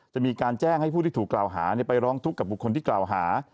จะมีการแจ้งให้ผู้ที่ถูกกล่าวหาไปร้องทุกข์กับบุคคลที่กล่าวหา